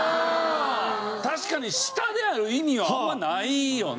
確かに下である意味はあんまないよな。